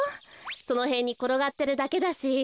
そのへんにころがってるだけだし。